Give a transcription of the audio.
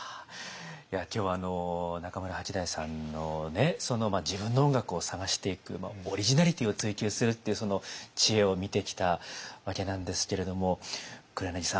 いや今日は中村八大さんのね自分の音楽を探していくオリジナリティーを追求するっていう知恵を見てきたわけなんですけれども黒柳さん